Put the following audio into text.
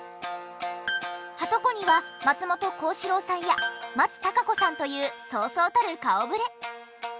はとこには松本幸四郎さんや松たか子さんというそうそうたる顔ぶれ。